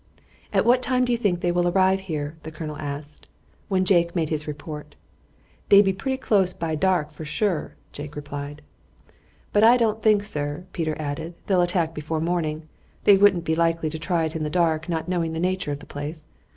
"At what time do you think they will arrive here?" the colonel asked, when Jake had made his report. "Dey be pretty close by dark, for sure," Jake replied. "But I don't think, sir," Peter added, "they'll attack before morning. They wouldn't be likely to try it in the dark, not knowing the nature of the place."